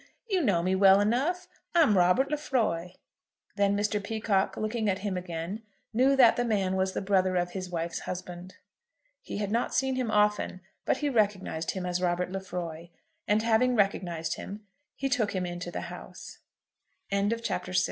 You know me well enough. I'm Robert Lefroy." Then Mr. Peacocke, looking at him again, knew that the man was the brother of his wife's husband. He had not seen him often, but he recognised him as Robert Lefroy, and having recognised him he took him into the house. Part III. CHAPTER VII.